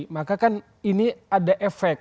maka kan ini ada efek